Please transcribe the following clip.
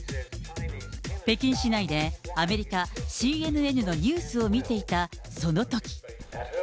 北京市内で、アメリカ・ＣＮＮのニュースを見ていたそのとき。